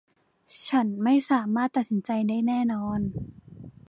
ฉันไม่สามารถตัดสินใจได้แน่นอน